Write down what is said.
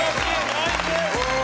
ナイス！